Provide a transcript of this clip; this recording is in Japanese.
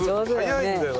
早いんだよ。